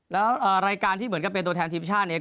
แล้วรายการที่เหมือนกับเป็นตัวแทนทีมชาติเนี่ย